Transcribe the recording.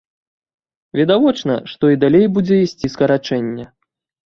Відавочна, што і далей будзе ісці скарачэнне.